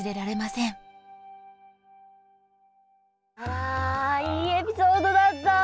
わいいエピソードだった。